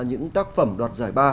những tác phẩm đoạt giải ba